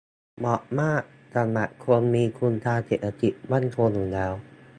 เหมาะมากสำหรับคนมีทุนทางเศรษฐกิจมั่นคงอยู่แล้ว